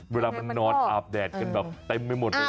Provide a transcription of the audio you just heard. เวลามันลอดอาบแดดกันแบบใต้ไม่หมดเลย